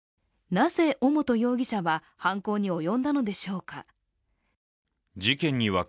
なぜ尾本容疑者は犯行に及んだのでしょうか。